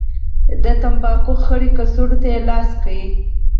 د تنباکو خړې کڅوړې ته يې لاس کړ.